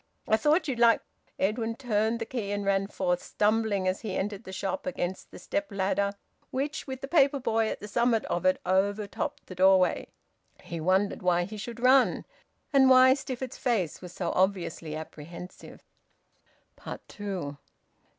I thought you'd like " Edwin turned the key, and ran forth, stumbling, as he entered the shop, against the step ladder which, with the paper boy at the summit of it, overtopped the doorway. He wondered why he should run, and why Stifford's face was so obviously apprehensive. TWO.